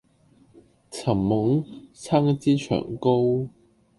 尋夢？撐一支長篙